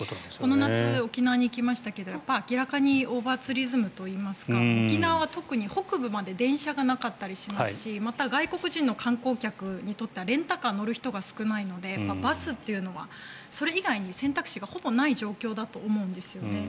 この夏、沖縄に行きましたけど明らかにオーバーツーリズムといいますか沖縄は特に北部まで電車がなかったりしますしまた、外国人の観光客にとってはレンタカーに乗る人が少ないのでバスというのはそれ以外に選択肢がほぼない状況だと思うんですよね。